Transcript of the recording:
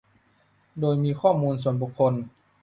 โดยมีข้อมูลส่วนบุคคล